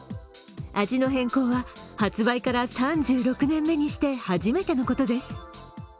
味の変更は、発売から３６年目に初めてのことです。